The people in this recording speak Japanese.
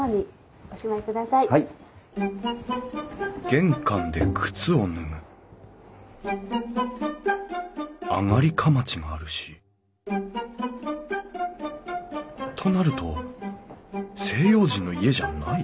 玄関で靴を脱ぐ上がりかまちがあるしとなると西洋人の家じゃない？